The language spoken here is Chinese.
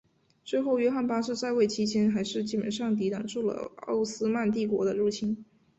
最后约翰八世在位期间还是基本上抵挡住了奥斯曼帝国的入侵。